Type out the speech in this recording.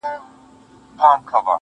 د انسانیت سره دا یو قول کومه ځمه~